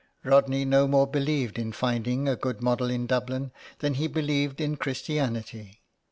Rodney no more believed in finding a good model in Dublin than he believed in Christianity.